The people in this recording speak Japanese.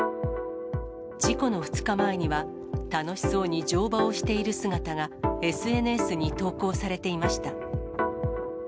事故の２日前には、楽しそうに乗馬をしている姿が、ＳＮＳに投稿されていました。